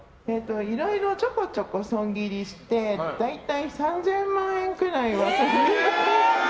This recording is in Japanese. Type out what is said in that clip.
いろいろちょこちょこ損切りして大体３０００万円くらいは。